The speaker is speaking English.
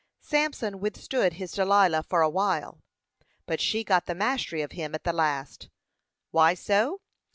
Samson withstood his Delilah for a while, but she got the mastery of him at the last; why so?